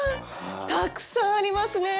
たくさんありますね！